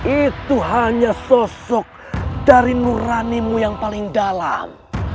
itu hanya sosok dari nurani mu yang paling dalam